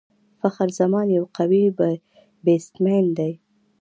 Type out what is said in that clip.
فخر زمان یو قوي بيټسمېن دئ.